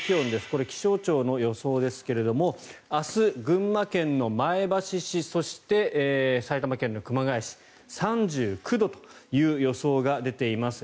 これ、気象庁の予想ですけれども明日、群馬県前橋市そして、埼玉県の熊谷市３９度という予想が出ています。